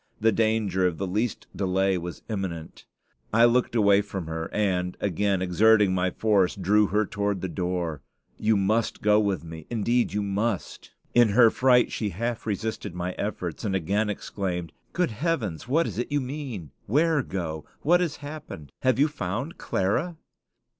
The danger of the least delay was imminent. I looked away from her, and, again exerting my force, drew her toward the door. "You must go with me; indeed you must." In her fright she half resisted my efforts, and again exclaimed, "Good heaven! what is it you mean? Where go? What has happened? Have you found Clara?"